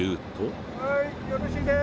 ・はいよろしいです。